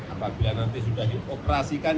apabila nanti sudah dioperasikan